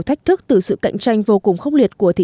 và thứ tư là nâng cao năng lực quản trị